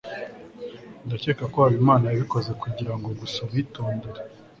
ndakeka ko habimana yabikoze kugirango gusa abitondere